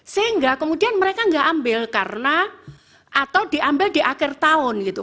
sehingga kemudian mereka nggak ambil karena atau diambil di akhir tahun gitu